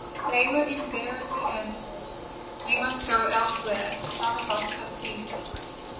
They were invariably answered: "You must go else where; none of us have seen them."